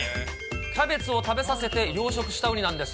キャベツを食べさせて養殖したウニなんです。